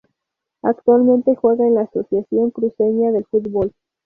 Actualmente juega en la Asociación Cruceña de Fútbol.